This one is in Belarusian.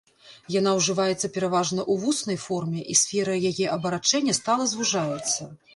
Яна ўжываецца пераважна ў вуснай форме, і сфера яе абарачэння стала звужаецца.